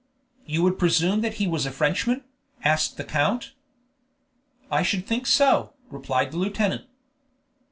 "You would presume that he was a Frenchman?" asked the count. "I should think so," replied the lieutenant.